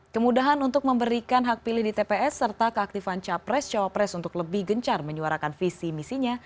kemudahan untuk memberikan hak pilih di tps serta keaktifan capres cawapres untuk lebih gencar menyuarakan visi misinya